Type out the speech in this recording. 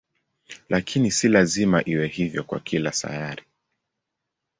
Lakini si lazima iwe hivyo kwa kila sayari.